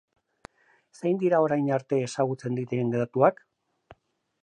Zein dira orain arte ezagutzen diren datuak?